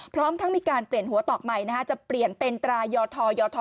พร้อมหากมีการเตรียมหัวตอบใหม่นะจะเปลี่ยนเป็นตรายยทยท